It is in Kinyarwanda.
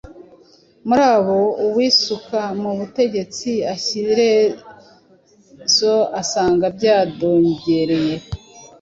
Muri bo uwisuka mu butegetsi Ishyerezo usanga byadogereye !